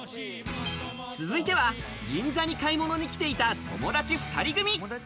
続いては銀座で買い物に来ていた友達２人組。